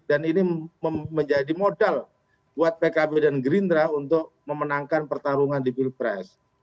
dan ini menjadi modal buat pkb dan gerindra untuk memenangkan pertarungan di pilpres